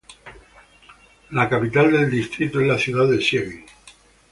La capital del distrito es la ciudad de Siegen.